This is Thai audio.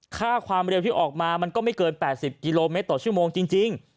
ค่าความเร็วที่ออกมามันก็ไม่เกิน๘๐กิโลเมตรต่อชั่วโมงจริง